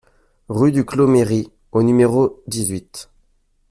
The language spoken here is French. Rue du Clos Méry au numéro dix-huit